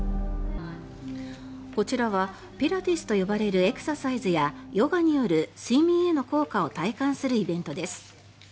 こちらはピラティスと呼ばれるエクササイズやヨガによる睡眠への効果を体感するイベントです。